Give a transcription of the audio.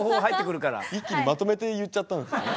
一気にまとめて言っちゃったんですね。